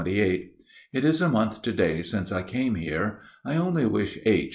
_ It is a month to day since I came here. I only wish H.